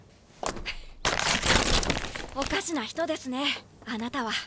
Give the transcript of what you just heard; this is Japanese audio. フッおかしな人ですねあなたは。